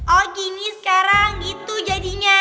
oh gini sekarang gitu jadinya